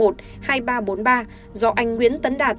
do anh nguyễn tấn đạt